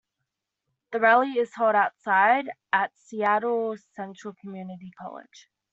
The Rally is held outside at Seattle Central Community College.